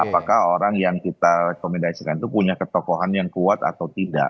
apakah orang yang kita rekomendasikan itu punya ketokohan yang kuat atau tidak